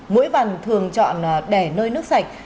mỗi vằn thường chọn đẻ nơi nước sạch